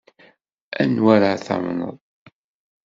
Anwa ara tamneḍ?